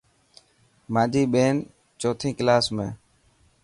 مانجي ٻين چوتي ڪلاس ۾.